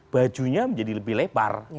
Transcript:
bajunya menjadi lebih lebar